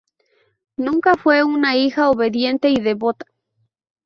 Nunca fue una hija obediente y devota.